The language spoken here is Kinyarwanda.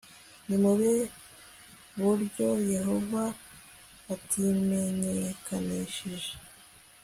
Ni mu buhe buryo Yehova atimenyekanishije